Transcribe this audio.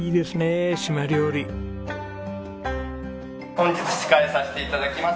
本日司会をさせて頂きます